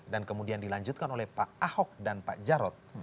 dan kemudian dilanjutkan oleh pak ahok dan pak jarod